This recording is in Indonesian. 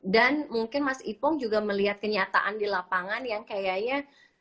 mungkin mas ipong juga melihat kenyataan di lapangan yang kayaknya